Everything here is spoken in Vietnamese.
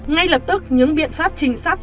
ngay lập tức những biện pháp trinh sát